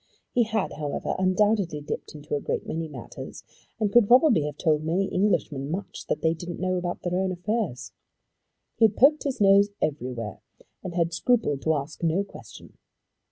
He had, however, undoubtedly dipped into a great many matters, and could probably have told many Englishmen much that they didn't know about their own affairs. He had poked his nose everywhere, and had scrupled to ask no question.